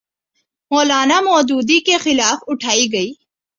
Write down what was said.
مو لانا مودودی کے خلاف اٹھائی گی۔